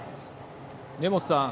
根本さん。